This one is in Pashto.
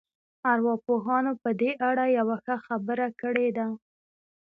ارواپوهانو په دې اړه يوه ښه خبره کړې ده.